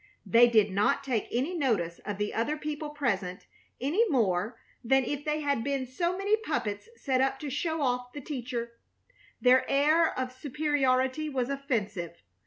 They did not take any notice of the other people present any more than if they had been so many puppets set up to show off the teacher; their air of superiority was offensive.